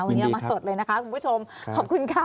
วันนี้เอามาสดเลยนะคะคุณผู้ชมขอบคุณค่ะ